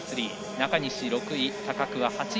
中西６位、高桑は８位。